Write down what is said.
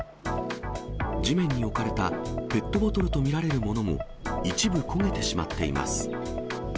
地面に置かれたペットボトルと見られるものも一部焦げてしまっています。